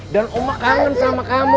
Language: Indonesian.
dan oma kangen sama kamu